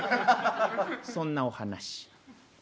そんなお噺。